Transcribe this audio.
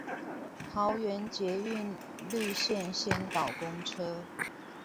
桃園捷運綠線先導公車